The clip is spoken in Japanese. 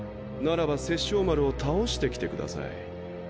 ならば殺生丸を倒してきてください。